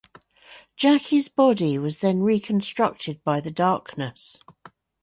Jackie's body was then reconstructed by the Darkness.